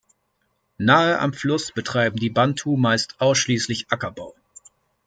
Nahe am Fluss betreiben die Bantu meist ausschließlich Ackerbau.